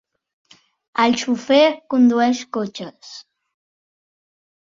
El xofer condueix cotxes.